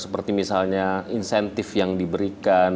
seperti misalnya insentif yang diberikan